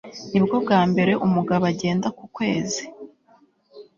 nibwo bwa mbere umugabo agenda ku kwezi